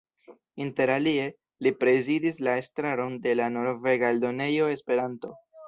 Interalie, li prezidis la estraron de la norvega Eldonejo Esperanto.